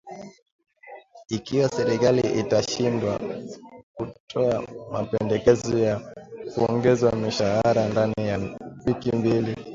ikiwa serikali itashindwa kutoa mapendekezo ya kuongeza mishahara ndani ya wiki mbili